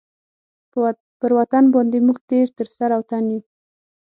پر وطن باندي موږ تېر تر سر او تن یو.